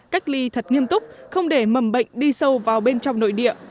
cách ly thật nghiêm túc không để mầm bệnh đi sâu vào bên trong nội địa